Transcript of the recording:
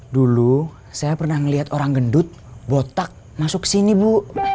dulu saya pernah ngeliat orang gendut botak masuk kesini ibu